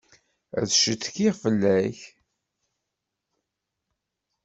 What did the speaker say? Ad ccetkiɣ fell-ak.